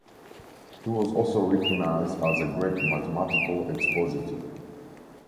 He was also recognized as a great mathematical expositor.